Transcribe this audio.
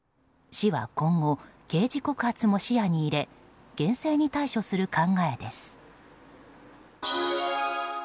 市は今後、刑事告発も視野に入れ厳正に対処する考えです。